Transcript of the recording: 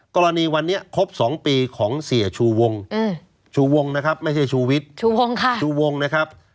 กรณีวันนี้ครบ๒ปีของเสียชูวงชูวงนะครับไม่ใช่ชูวิทย์ชูวงค่ะชูวงนะครับ